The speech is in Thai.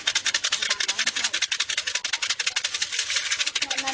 สวัสดีครับทุกคน